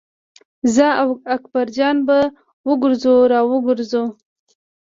زه او اکبر جان به وګرځو را وګرځو.